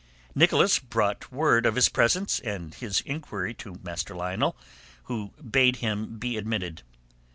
Nicholas brought word of his presence and his inquiry to Master Lionel, who bade him be admitted.